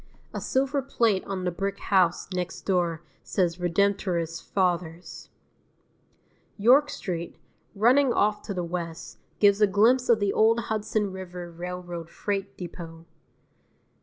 A silver plate on the brick house next door says Redemptorist Fathers. York Street, running off to the west, gives a glimpse of the old Hudson River Railroad freight depot.